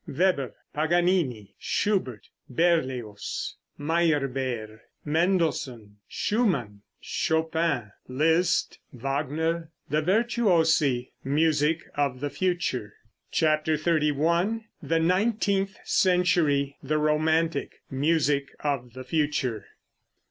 WEBER, PAGANINI, SCHUBERT, BERLIOZ, MEYERBEER, MENDELSSOHN, SCHUMANN, CHOPIN, LISZT, WAGNER; THE VIRTUOSI; MUSIC OF THE FUTURE. CHAPTER XXXI. THE NINETEENTH CENTURY, THE ROMANTIC; MUSIC OF THE FUTURE.